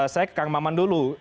saya ke kang maman dulu